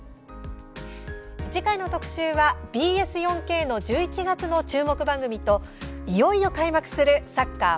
次回の特集はＢＳ４Ｋの１１月の注目番組といよいよ開幕するサッカーＦＩＦＡ